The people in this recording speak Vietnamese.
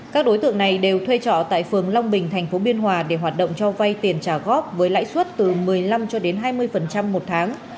các đối tượng này đều thuê trọ tại phường long bình tp biên hòa để hoạt động cho vay tiền trả góp với lãi suất từ một mươi năm cho đến hai mươi một tháng